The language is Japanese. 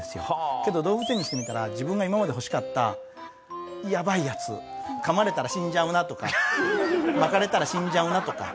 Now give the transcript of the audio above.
けど動物園にしてみたら自分が今まで欲しかったやばいヤツ噛まれたら死んじゃうなとか巻かれたら死んじゃうなとか。